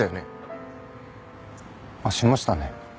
あっしましたね。